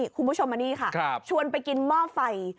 คุณผู้ชมมานี่ค่ะชวนไปกินหม้อไฟ